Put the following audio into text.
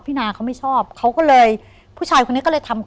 พี่นะครับตอนนั้นเกายุประมาณชายปรามาณ๑๐๗๙